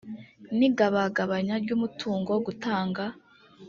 n igabagabanya ry umutungo gutanga